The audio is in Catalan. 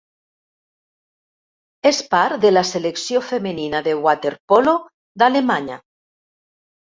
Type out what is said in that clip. És part de la Selecció femenina de waterpolo d'Alemanya.